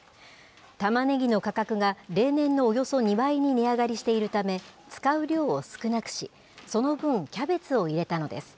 タマネギの価格が例年のおよそ２倍に値上がりしているため、使う量を少なくし、その分、キャベツを入れたのです。